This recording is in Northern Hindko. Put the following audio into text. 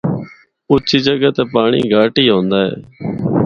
اُچی جگہ تے پانڑی گہٹ ہوندا اے۔